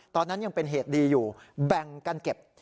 ตอนนั้นยังเป็นเหตุดีอยู่แบ่งกันเก็บ